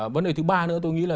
vấn đề thứ ba nữa tôi nghĩ là